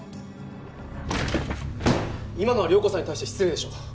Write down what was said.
今のは遼子さんに対して失礼でしょ。